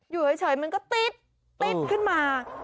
อยู่เฉยมันก็ติ๊ดขึ้นมา